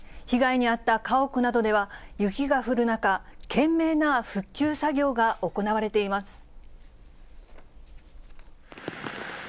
被害に遭った家屋などでは、雪が降る中、懸命な復旧作業が行われています。